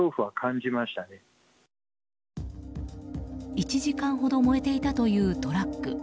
１時間ほど燃えていたというトラック。